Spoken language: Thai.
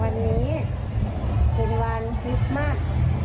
วันนี้เป็นวันคริสต์สมัส